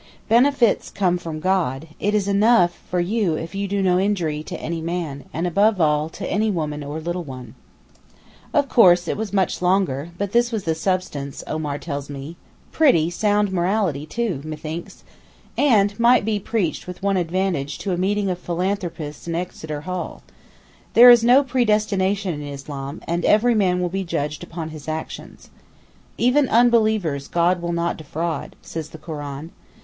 Benefits come from God; it is enough for you if you do no injury to any man, and above all to any woman or little one.' Of course it was much longer, but this was the substance, Omar tells me, and pretty sound morality too, methinks, and might be preached with advantage to a meeting of philanthropists in Exeter Hall. There is no predestination in Islam, and every man will be judged upon his actions. 'Even unbelievers God will not defraud,' says the Koran.